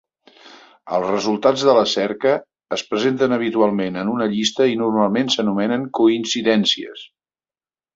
Els resultats de la cerca es presenten habitualment en una llista i normalment s'anomenen "coincidències".